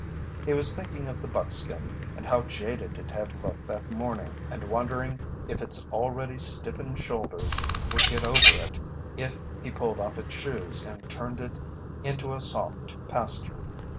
He was thinking of the buckskin and how jaded it had looked that morning and wondering if its already stiffened shoulders would get over it if he pulled off its shoes and turned it into a soft pasture.